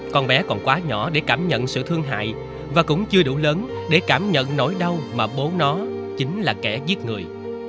con bé còn quá nhỏ để cảm nhận sự thương hại và cũng chưa đủ lớn để cảm nhận nỗi đau mà bố nó chính là kẻ giết người